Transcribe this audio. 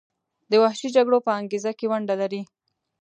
د وحشي جګړو په انګیزه کې ونډه لري.